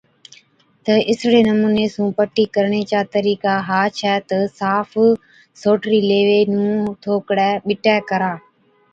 اِسڙي نمُوني سُون پٽِي ڪرڻي چا طرِيقا ها ڇَي تہ صاف سوٽرِي ليوي نُون ٿوڪڙَي ٻِٽَي ڪرا